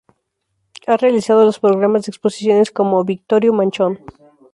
Ha realizado los programas de exposiciones como, Victorio Manchón.